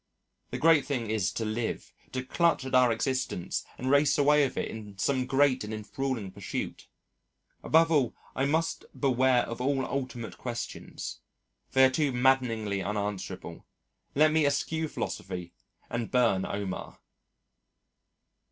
The great thing is to live, to clutch at our existence and race away with it in some great and enthralling pursuit. Above all, I must beware of all ultimate questions they are too maddeningly unanswerable let me eschew philosophy and burn Omar.